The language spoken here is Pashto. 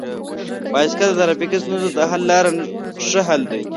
بایسکل د ټرافیکي ستونزو د حل لپاره ښه حل دی.